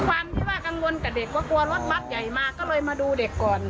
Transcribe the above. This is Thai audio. ความที่ว่ากังวลกับเด็กว่ากลัวรถบัตรใหญ่มาก็เลยมาดูเด็กก่อน